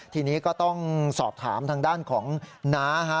ทีนี้ก็ต้องสอบถามทางด้านของน้าฮะ